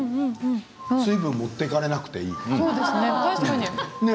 水分を持っていかれなくていいね。